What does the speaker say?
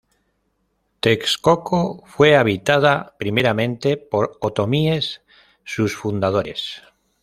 Texcoco fue habitada primeramente por otomíes, sus fundadores.